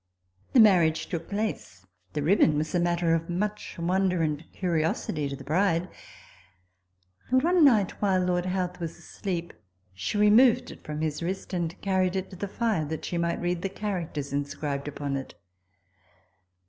The marriage took place. The ribbon was a matter of much wonder and curiosity to the bride ; and one night, while Lord Howth was asleep, she removed it from his wrist, and carried it to .the fire, that she might read the characters inscribed upon it.